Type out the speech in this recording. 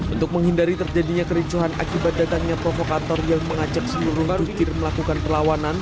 untuk menghindari terjadinya kericuhan akibat datangnya provokator yang mengajak seluruh parkir melakukan perlawanan